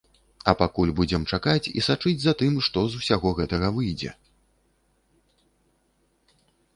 А пакуль будзем чакаць і сачыць за тым, што з усяго гэтага выйдзе.